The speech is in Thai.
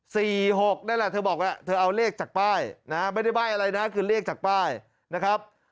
นั่นแหละเธอบอกว่าเธอเอาเลขจากป้ายนะไม่ได้ใบ้อะไรนะคือเลขจากป้ายนะครับ